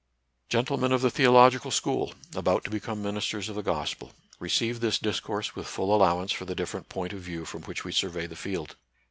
Gentlemen of the Theological School, about to become ministers of the gospel, receive this discourse with full allowance for the different point of view from which we survey the field.